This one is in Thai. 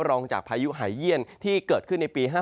รองจากพายุหายเยี่ยนที่เกิดขึ้นในปี๕๗